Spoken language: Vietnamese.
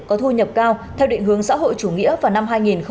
có thu nhập cao theo định hướng xã hội chủ nghĩa vào năm hai nghìn bốn mươi năm